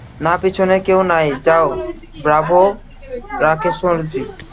না পিছনে কেউ নাই, যাও ব্রাভো, রাকেশজি।